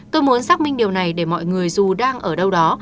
tôi muốn xác minh điều này để mọi người dù đang ở đâu đó